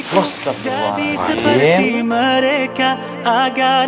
bukan semua lagi pada belajar